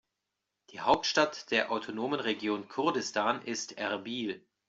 Die Hauptstadt der autonomen Region Kurdistan ist Erbil.